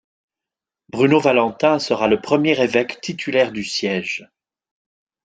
Bruno Valentin sera le premier évêque titulaire du siège.